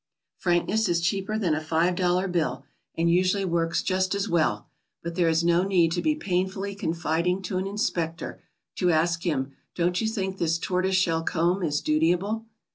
Frankness is cheaper than a five dollar bill, and usually works just as well, but there is no need to be painfully con fiding to an inspector, to ask him, ''Don't you think this tor toise shell comb is dutiable?"